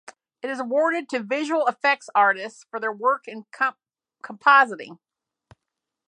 It is awarded to visual effects artists for their work in compositing.